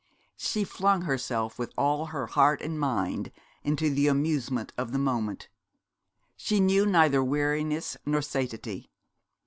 She flung herself with all her heart and mind into the amusement of the moment; she knew neither weariness nor satiety.